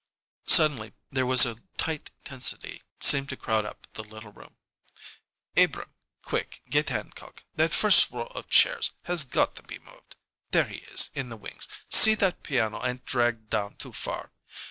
Suddenly there was a tight tensity seemed to crowd up the little room. "Abrahm quick get Hancock. That first row of chairs has got to be moved. There he is, in the wings. See that the piano ain't dragged down too far!